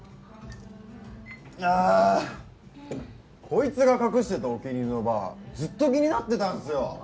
こいつが隠してたお気に入りのバーずっと気になってたんすよ！